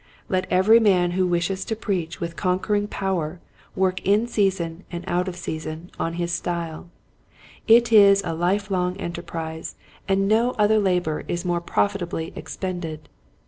Let every man who wishes to preach with conquering power work in season and out of season on his style. It is a life long enterprise and no other labor is more " Thy Speech Bewray eth Thee'' 179 profitably expended.